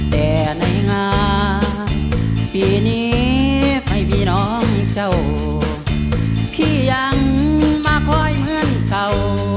แต่ในงานปีนี้ไม่มีน้องเจ้าพี่ยังมาคอยเหมือนเก่า